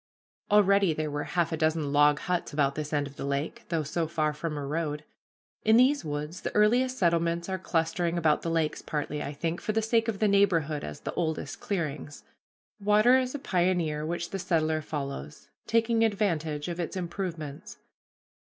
Already there were half a dozen log huts about this end of the lake, though so far from a road. In these woods the earliest settlements are clustering about the lakes, partly, I think, for the sake of the neighborhood as the oldest clearings. Water is a pioneer which the settler follows, taking advantage of its improvements.